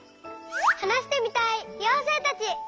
はなしてみたいようせいたち！